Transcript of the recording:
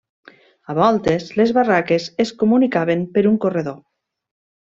A voltes, les barraques es comunicaven per un corredor.